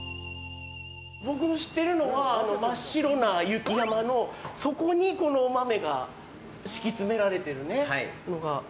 僕の知ってるのは真っ白な雪山の底にこのお豆が敷き詰められてるのが。